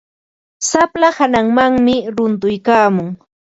Slapa hananmanmi runtuykaamun.